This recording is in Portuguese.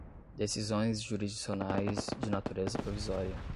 decisões jurisdicionais, de natureza provisória